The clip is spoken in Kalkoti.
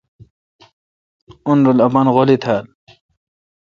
اؙن رل اپان غولی تھال۔